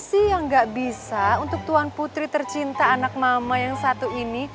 apa sih yang gak bisa untuk tuan putri tercinta anak mama yang satu ini